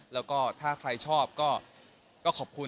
แล้วก็ถ้าใครชอบก็ขอบคุณ